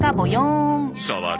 触る？